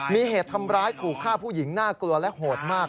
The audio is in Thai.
มีเหตุทำร้ายขู่ฆ่าผู้หญิงน่ากลัวและโหดมาก